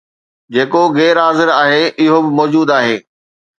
جيڪو غير حاضر آهي اهو به موجود آهي